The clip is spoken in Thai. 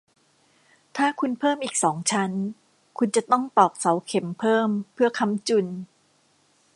ถ้าคุณเพิ่มอีกสองชั้น คุณจะต้องตอกเสาเข็มเพิ่มเพื่อค้ำจุน